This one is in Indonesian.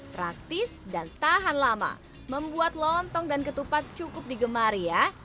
praktis dan tahan lama membuat lontong dan ketupat cukup digemari ya